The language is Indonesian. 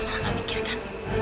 mas malah gak mikirkan